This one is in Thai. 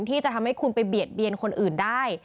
ที่จะทำให้คุณไปเบียดเบียนคนอื่นได้